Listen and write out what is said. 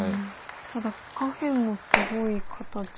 ただ下辺もすごい形なので。